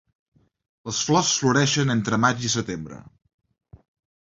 Les flors floreixen entre maig i setembre.